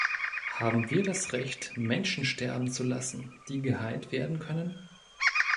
Haben wir das Recht, Menschen sterben zu lassen, die geheilt werden können?